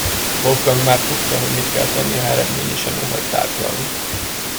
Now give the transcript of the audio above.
Wolfgang már tudta, hogy mit kell tennie, ha eredményesen óhajt tárgyalni.